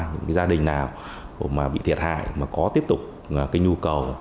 những gia đình nào bị thiệt hại mà có tiếp tục cái nhu cầu